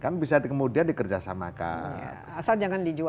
kan bisa kemudian dikerjasamakan